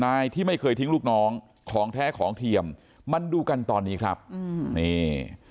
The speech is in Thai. นายที่ไม่เคยทิ้งลูกน้องของแท้ของเทียมมันดูกันตอนนี้ครับอืมนี่